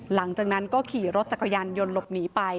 หลังจากนั้นก็ขี่รถจักรยานยนต์หลบหนีไป